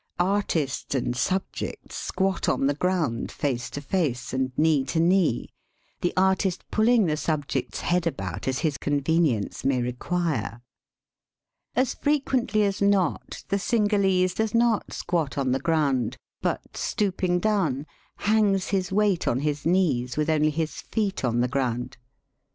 Artist and subject squat on the ground face to face and knee to knee, the artist pulling the subject's head about as his convenience may require. As frequently as not the Cingalese does not squat on the ground, but, stooping down, hangs his weight on his knees with only his feet on the ground.